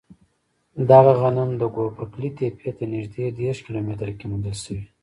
دغه غنم د ګوبک لي تپې ته نږدې دېرش کیلو متره کې موندل شوی.